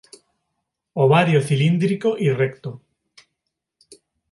Ovario cilíndrico y recto.